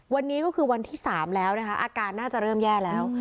วันนี้ก็คือวันที่๓แล้วนะคะอาการน่าจะเริ่มแย่แล้ว